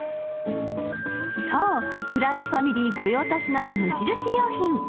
そう、ブランチファミリー御用達の無印良品。